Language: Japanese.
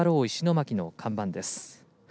石巻」の看板です。